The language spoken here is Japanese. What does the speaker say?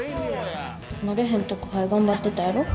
慣れへん宅配頑張ってたやろ？